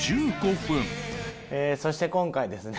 そして今回ですね